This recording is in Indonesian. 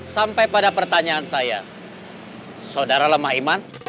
sampai pada pertanyaan saya saudara lemah iman